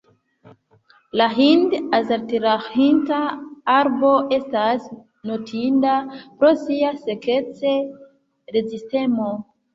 La hind-azadiraĥta arbo estas notinda pro sia sekec-rezistemo.